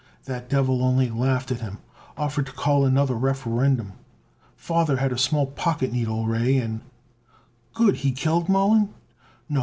That devil only laughed at him, offered to call another Referendum. Father had a small pocket needle ray and " "Good! He killed Mollon?" "No.